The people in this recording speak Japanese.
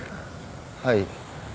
はい。